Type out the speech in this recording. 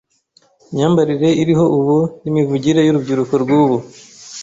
Imyambaririe iriho ubu nimivugire y'urubyiruko rwubu